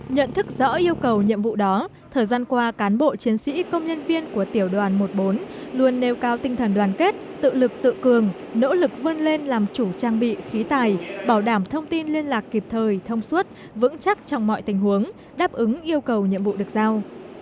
nhận thức rõ yêu cầu nhiệm vụ đó thời gian qua cán bộ chiến sĩ công nhân viên của tiểu đoàn một mươi bốn luôn nêu cao tinh thần đoàn kết tự lực tự cường nỗ lực vươn lên làm chủ trang bị khí tài bảo đảm thông tin liên lạc kịp thời thông suốt vững chắc trong mọi tình huống đáp ứng yêu cầu nhiệm vụ được giao